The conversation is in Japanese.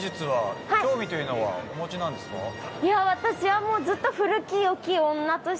私はもうずっと。